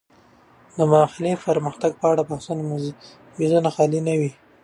د محلي پرمختګ په اړه د بحثونو میزونه خالي نه وي.